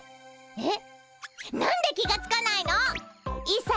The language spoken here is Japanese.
えっ？